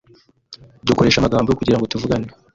Dukoresha amagambo kugirango tuvugane.